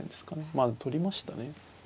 まあ取りましたね。